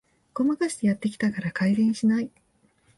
ごまかしてやってきたから改善しない